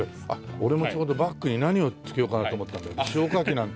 俺もちょうどバッグに何をつけようかなと思ってたんだけど消火器なんて。